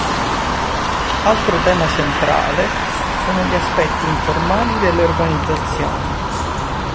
Altro tema centrale, sono gli aspetti informali delle organizzazioni.